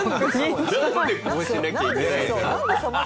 なんでこうしなきゃいけないんだろう？